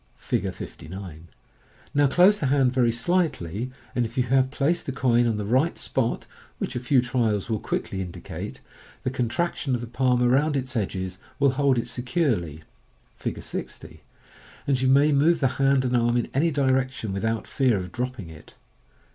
(See Fig. 59.) Now close the hand very slightly, and if you have placed the coin on the right spot (which a few trials will quickly indicate), the contraction of the palm around its edges will hold it securely (see Fig. 60), and you may move the hand and arm in any direction without fear of dropping it.